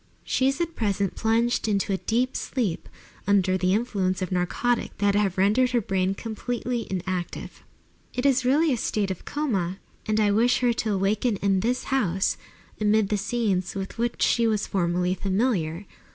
She is at present plunged into a deep sleep, under the influence of narcotics that have rendered her brain absolutely inactive. It is really a state of coma, and I wish her to waken in this house, amid the scenes with which she was formerly familiar.